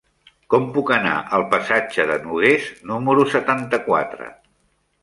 Com puc anar al passatge de Nogués número setanta-quatre?